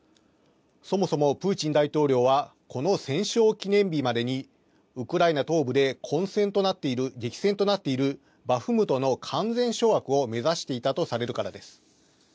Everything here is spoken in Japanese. そもそもプーチン大統領はこの戦勝記念日までに、ウクライナ東部でこんせんとなっている、激戦となっているバフムトの完全掌握を目指していたとされるからです。